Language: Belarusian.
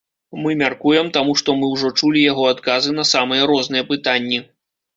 Мы мяркуем, таму што мы ўжо чулі яго адказы на самыя розныя пытанні.